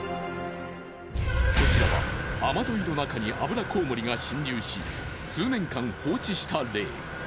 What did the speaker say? こちらは雨どいの中にアブラコウモリが侵入し数年間放置した例。